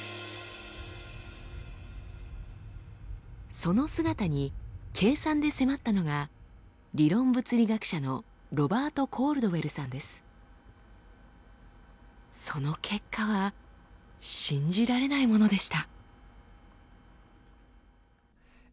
その姿に計算で迫ったのが理論物理学者のその結果は信じられないものでした。